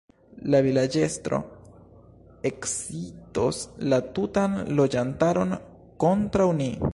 La vilaĝestro ekscitos la tutan loĝantaron kontraŭ ni.